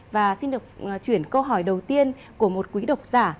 và xin được chuyển câu hỏi đầu tiên của một quý độc giả